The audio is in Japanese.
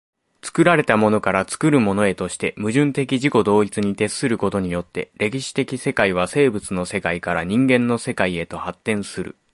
作られたものから作るものへとして、矛盾的自己同一に徹することによって、歴史的世界は生物の世界から人間の世界へと発展する。